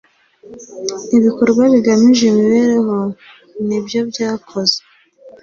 ibikorwa bigamije imibereho nibyobyakozwe.